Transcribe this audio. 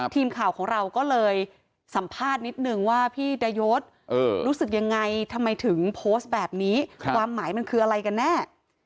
ทีมข่าวของเราก็เลยสัมภาษณ์นิดนึงว่าพี่ดายศรู้สึกยังไงทำไมถึงโพสต์แบบนี้ความหมายมันคืออะไรกันแน่